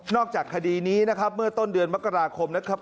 จากคดีนี้นะครับเมื่อต้นเดือนมกราคมนะครับ